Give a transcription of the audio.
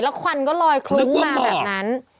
ควันก็ลอยคลุ้งมาแบบนั้น